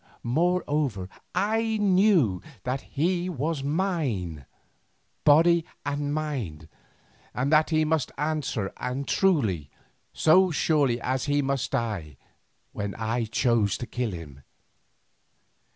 Moreover, I knew that he was mine, body and mind, and that he must answer and truly, so surely as he must die when I chose to kill him.